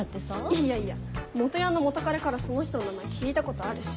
いやいや元ヤンの元彼からその人の名前聞いたことあるし。